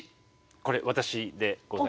これ私でございます。